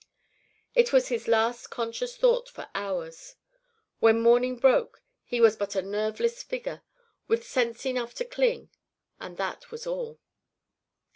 It was his last conscious thought for hours. When morning broke he was but a nerveless figure, with sense enough to cling, and that was all.